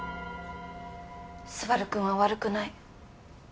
昴くんは悪くない。